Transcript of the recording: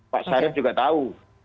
pak sarip juga tahu